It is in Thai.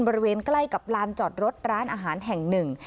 บริเวณใกล้กับลานจอดรถร้านอาหารแห่งหนึ่ง